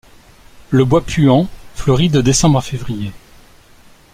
Le bois puant fleurit de décembre à février.